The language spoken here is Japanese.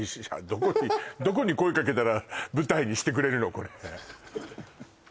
どこにどこに声かけたら舞台にしてくれるの？